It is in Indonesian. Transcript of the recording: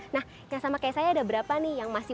nah yang sama kayak saya ada berapa nih